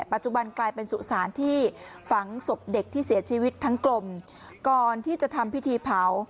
กลายเป็นสุสานที่ฝังศพเด็กที่เสียชีวิตทั้งกลมก่อนที่จะทำพิธีเผา